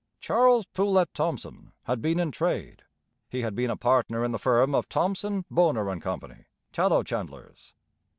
Charles Poulett Thomson had been in trade; he had been a partner in the firm of Thomson, Bonar and Co., tallow chandlers.